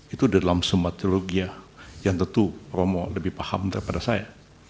itu dalam summa theologiae yang tentu romo lebih paham daripada saya